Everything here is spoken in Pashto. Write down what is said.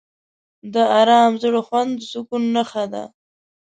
د آرام زړه خوند د سکون نښه ده.